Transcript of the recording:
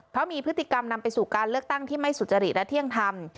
เพราะมีพฤติกรรมนำไปสู่การเลือกตั้งที่ไม่สุจริตและเที่ยงธรรม